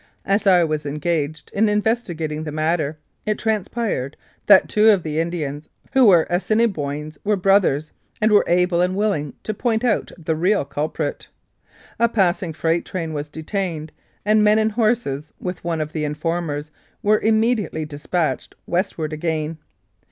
As I was engaged in in vestigating the matter, it transpired that two of the Indians, who were Assiniboines, were brothers, and were able and willing to point out the real culprit. A passing freight train was detained, and men and horses, with one of the informers, were immediately dispatched westward again.